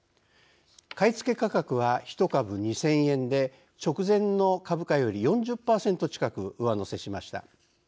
買い付け価格は１株２０００円で直前の株価より４０％近く上乗せしました。